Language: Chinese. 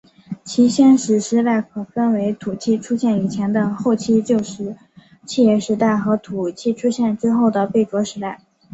其先史时代可分为土器出现以前的后期旧石器时代和土器出现之后的贝冢时代。